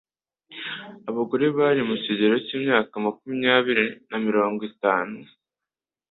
abagore bari mu kigero cy'imyaka makumyabiri na mirongo itanu